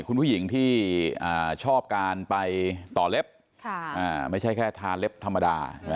คุณผู้หญิงที่ชอบการไปต่อเล็บไม่ใช่แค่ทาเล็บธรรมดา